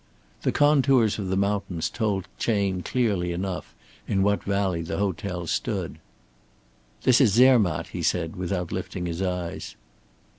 The contours of the mountains told Chayne clearly enough in what valley the hotel stood. "This is Zermatt," he said, without lifting his eyes.